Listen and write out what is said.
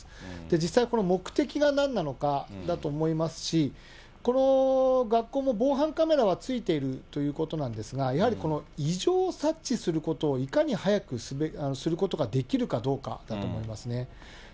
実際、この目的がなんなのかだと思いますし、この学校も防犯カメラはついているということなんですが、やはり異常を察知することをいかに早くすることができるかどうかだと思いますね。